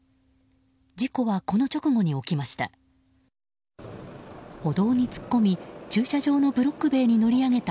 事故はこの直後に起こりました。